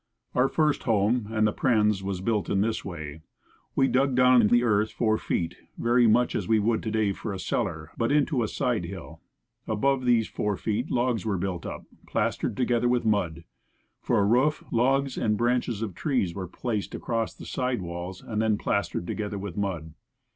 Our first home and the Prehn's was built in this way: We dug down in the earth four feet, very much as we would today for a cellar, but into a side hill. Above these four feet, logs were built up, plastered together with mud. For a roof, logs and branches of trees were placed across the side walls and then plastered together with mud.